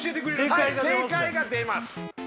い正解が出ます